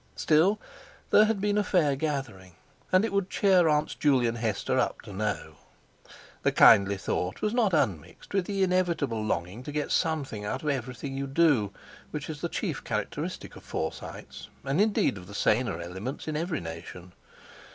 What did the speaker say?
Still, there had been a fair gathering; and it would cheer Aunts Juley and Hester up to know. The kindly thought was not unmixed with the inevitable longing to get something out of everything you do, which is the chief characteristic of Forsytes, and indeed of the saner elements in every nation.